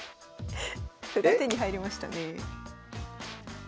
歩が手に入りましたね。